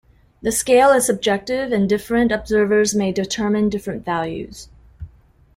The scale is subjective, and different observers may determine different values.